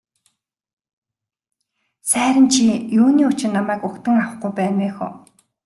Сайран чи юуны учир намайг угтан авахгүй байна вэ хө.